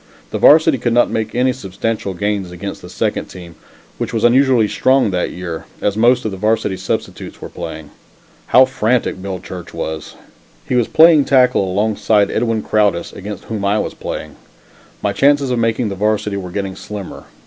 The varsity could not make any substantial gains against the second team, which was unusually strong that year, as most of the varsity substitutes were playing. How frantic Bill Church was! He was playing tackle alongside of Edwin Crowdis, against whom I was playing. My chances of making the Varsity were getting slimmer.